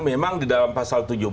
memang di dalam pasal tujuh belas